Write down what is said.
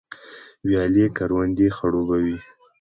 ویالې کروندې خړوبوي